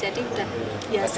jadi sudah biasa